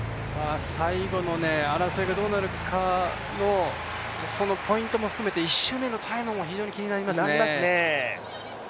最後の争いがどうなるのかのポイントも含めて、１周目のタイムも非常に気になりますね。